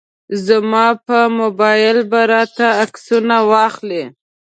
زما په موبایل به راته عکسونه واخلي.